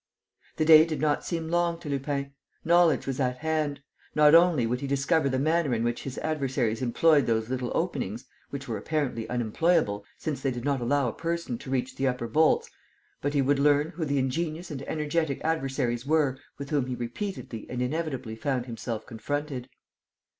The day did not seem long to Lupin. Knowledge was at hand. Not only would he discover the manner in which his adversaries employed those little openings, which were apparently unemployable, since they did not allow a person to reach the upper bolts, but he would learn who the ingenious and energetic adversaries were with whom he repeatedly and inevitably found himself confronted.